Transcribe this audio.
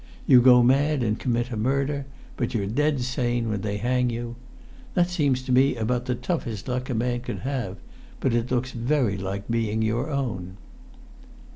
You go mad and commit a murder, but you're dead sane when they hang you! That seems to me about the toughest luck a man could have, but it looks very like being your own."